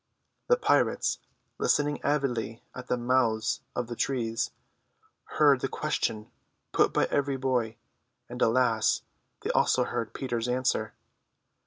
The pirates, listening avidly at the mouths of the trees, heard the question put by every boy, and alas, they also heard Peter's answer.